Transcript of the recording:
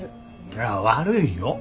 いや悪いよ。